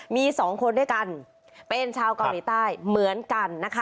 มีสองคนด้วยกันเป็นชาวเกาหลีใต้เหมือนกันนะคะ